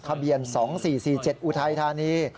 ทะเบียน๒๔๔๗อุทัยธานี